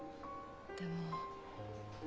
でも。